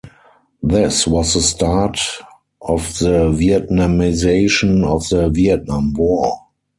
This was the start of the "Vietnamization" of the Vietnam War.